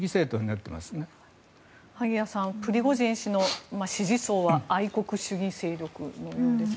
萩谷さん、プリゴジン氏の支持層は愛国主義勢力のようですが。